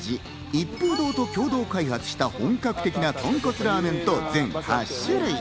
一風堂と共同開発した本格的なとんこつラーメンと、全８種類。